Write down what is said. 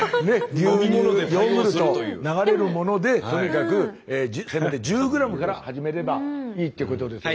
牛乳ヨーグルト流れるものでとにかくせめて１０ｇから始めればいいっていうことですね。